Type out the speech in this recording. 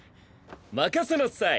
任せなさい！